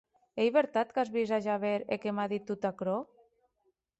Ei vertat qu’è vist a Javert e que m’a dit tot aquerò?